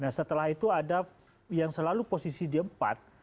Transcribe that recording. nah setelah itu ada yang selalu posisi di empat